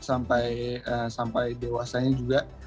sampai dewasanya juga